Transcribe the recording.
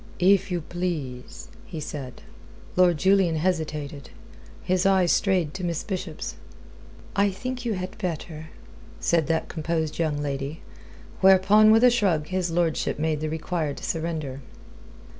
"If you please," he said. Lord Julian hesitated. His eyes strayed to Miss Bishop's. "I think you had better," said that composed young lady, whereupon with a shrug his lordship made the required surrender.